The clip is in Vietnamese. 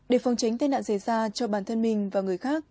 để phòng tránh tài nạn rời xa